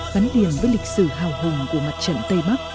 vắn điền với lịch sử hào hùng của mặt trận tây bắc